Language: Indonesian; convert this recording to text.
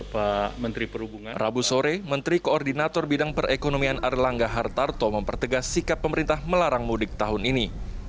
pak menteri perhubungan rabu sore menteri koordinator bidang perekonomian erlangga hartarto mempertegas sikap pemerintah melarang mudik tahun ini